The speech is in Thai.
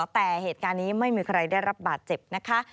แต่เหตุการณ์นี้ไม่มีใครได้รับบาดเจ็บนะคะ